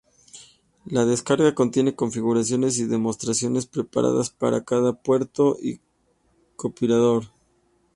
La descarga contiene configuraciones y demostraciones preparadas para cada puerto y compilador.